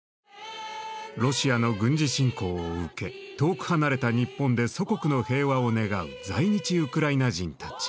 ロシアの軍事侵攻を受け遠く離れた日本で祖国の平和を願う在日ウクライナ人たち。